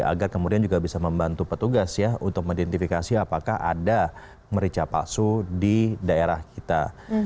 agar kemudian juga bisa membantu petugas ya untuk mengidentifikasi apakah ada merica palsu di daerah kita